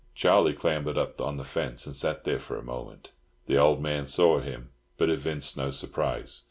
Charlie clambered up on the fence and sat there for a moment. The old man saw him, but evinced no surprise.